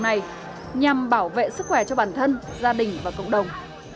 này nhằm bảo vệ sức khỏe cho bản thân gia đình và cộng đồng